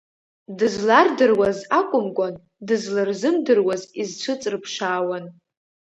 Дызлардыруаз акәымкәан, дызларзымдыруаз изцәыҵрыԥшаауан.